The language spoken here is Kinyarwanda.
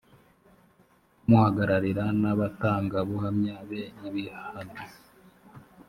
kumuhagararira n abatangabuhamya be ibihano